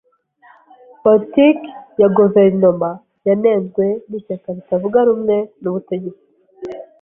Politiki ya guverinoma yanenzwe n’ishyaka ritavuga rumwe n’ubutegetsi.